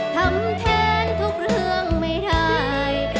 ทำแทนทุกเรื่องไม่ได้